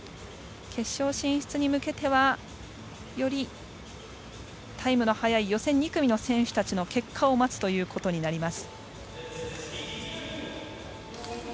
決勝進出に向けてはよりタイムの速い予選２組の選手たちの結果を待つことになります。